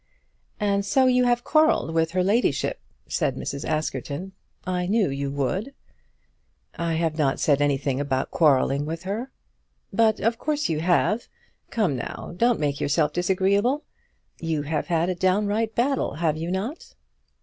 "And so you have quarrelled with her ladyship," said Mrs. Askerton. "I knew you would." "I have not said anything about quarrelling with her." "But of course you have. Come, now; don't make yourself disagreeable. You have had a downright battle; have you not?"